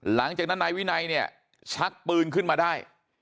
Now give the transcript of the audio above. หลังจากนั้นนายวินัยเนี่ยชักปืนขึ้นมาได้